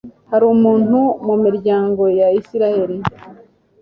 hari umuntu mu miryango ya israheli